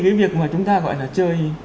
cái việc mà chúng ta gọi là chơi